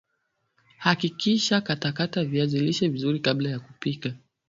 hakikisha katakata viazi lishe vizuri kabla ya kupika